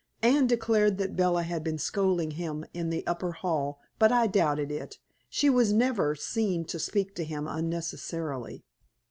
Anne declared that Bella had been scolding him in the upper hall, but I doubted it. She was never seen to speak to him unnecessarily.